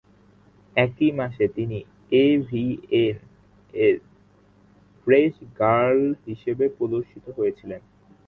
একই মাসে, তিনি "এভিএন" -র "ফ্রেশ" গার্ল হিসাবে প্রদর্শিত হয়েছিলেন।